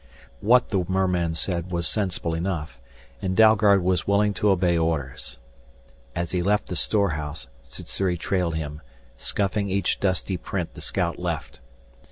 What the merman said was sensible enough, and Dalgard was willing to obey orders. As he left the storehouse, Sssuri trailed him, scuffing each dusty print the scout left.